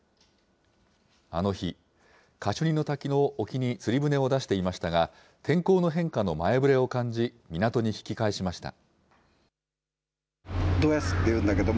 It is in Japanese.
あの日、カシュニの滝の沖に釣り船を出していましたが、天候の変化の前ぶれを感じ、港に引き返しました。